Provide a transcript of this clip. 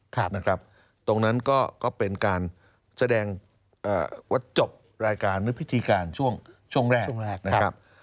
ตรงนั้นก็เป็นการแสดงวัดจบรายการหรือพิธีการช่วงแรก